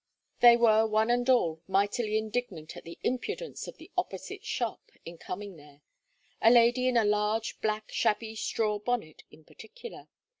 They were one and all mightily indignant at the impudence of the opposite shop in coming there a lady in a large, black, shabby straw bonnet in particular.